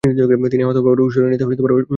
তিনি আহত হওয়ার পরেও সরিয়ে নিতে অস্বীকার করেন।